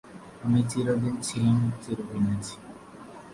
আমি চিরদিন ছিলাম, চিরদিন আছি।